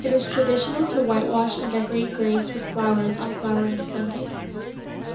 It is traditional to whitewash and decorate graves with flowers on Flowering Sunday.